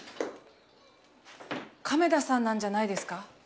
亀田さんなんじゃないですか？